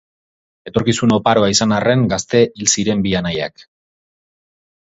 Etorkizun oparoa izan arren, gazte hil ziren bi anaiak.